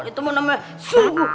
ditemuan namanya sulgu